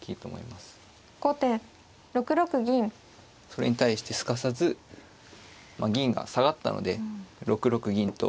それに対してすかさず銀が下がったので６六銀と。